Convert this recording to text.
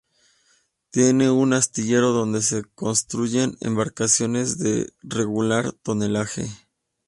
Tiene un astillero donde se construyen embarcaciones de regular tonelaje.